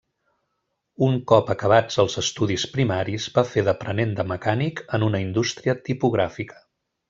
Un cop acabats els estudis primaris va fer d'aprenent de mecànic en una indústria tipogràfica.